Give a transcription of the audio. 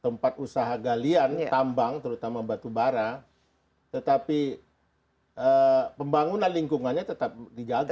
tempat usaha galian tambang terutama batu bara tetapi pembangunan lingkungannya tetap dijaga